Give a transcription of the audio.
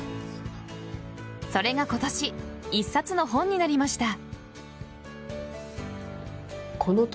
それが今年１冊の本になりました。